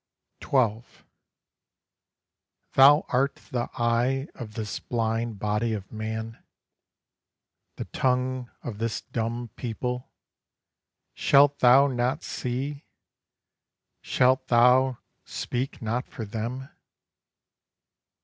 12 Thou art the eye of this blind body of man, The tongue of this dumb people; shalt thou not See, shalt thou speak not for them?